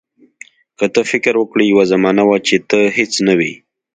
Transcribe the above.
که ته فکر وکړې یوه زمانه وه چې ته هیڅ نه وې.